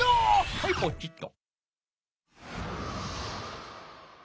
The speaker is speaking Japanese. はいポチッと。